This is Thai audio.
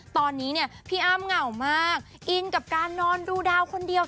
ตอนนี้เนี่ยพี่อ้ำเหงามากอินกับการนอนดูดาวคนเดียว